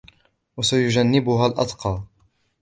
وسيجنبها الأتقى